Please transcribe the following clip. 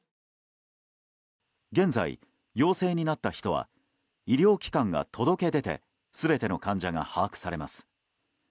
現在、陽性になった人は医療機関が届け出て全ての患者が把握されます。